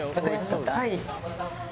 はい。